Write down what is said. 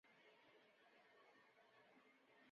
没有证据证明该病和红斑狼疮有关。